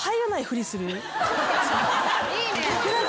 いいね。